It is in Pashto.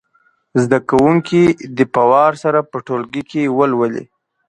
زده کوونکي دې په وار سره په ټولګي کې ولولي.